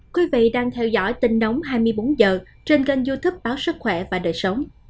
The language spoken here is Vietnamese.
các bạn đang theo dõi tình nóng hai mươi bốn h trên kênh youtube báo sức khỏe và đời sống